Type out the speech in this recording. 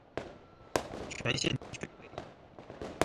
全线均为。